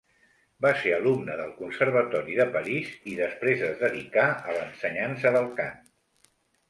Va ser alumne del Conservatori de París i després es dedicà a l'ensenyança del cant.